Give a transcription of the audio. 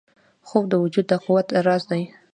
خوب د وجود د قوت راز دی